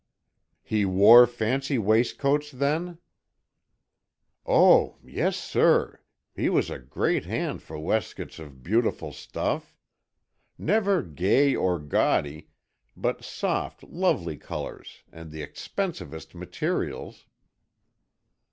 "He wore fancy waistcoats, then?" "Oh, yes, sir, he was a great hand for weskits of beautiful stuff. Never gay or gaudy, but soft, lovely colours and the expensivest materials."